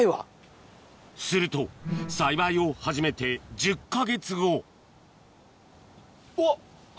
すると栽培を始めて１０か月後うわ！